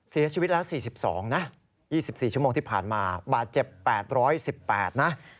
เสียชีวิตแล้ว๔๒นะ๒๔ชั่วโมงที่ผ่านมาบาดเจ็บ๘๑๘นะ